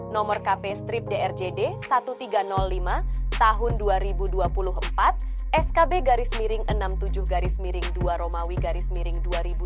nomor kp strip drjd seribu tiga ratus lima tahun dua ribu dua puluh empat skb garis miring enam puluh tujuh garis miring dua romawi garis miring dua ribu dua puluh